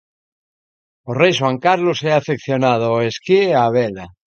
O Rei Xoán Carlos é afeccionado ao esquí e a vela.